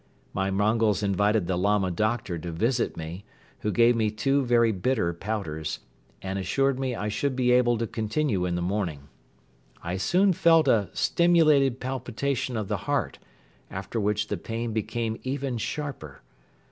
My Mongols invited the Lama doctor to visit me, who gave me two very bitter powders and assured me I should be able to continue in the morning. I soon felt a stimulated palpitation of the heart, after which the pain became even sharper.